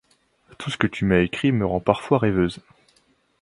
Tout ce que tu m’as écrit me rend parfois rêveuse.